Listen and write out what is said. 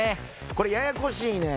これややこしいねん。